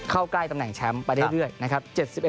เข้าใกล้ตำแหน่งแชมป์ไปเรื่อยนะครับ